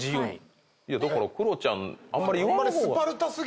だからクロちゃんあんまり言わん方が。